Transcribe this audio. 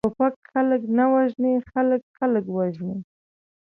ټوپک خلک نه وژني، خلک، خلک وژني!